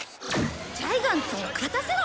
ジャイガンツを勝たせろ。